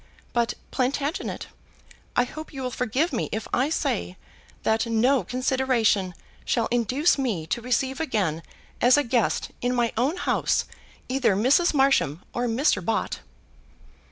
But, Plantagenet, I hope you will forgive me if I say that no consideration shall induce me to receive again as a guest, in my own house, either Mrs. Marsham or Mr. Bott."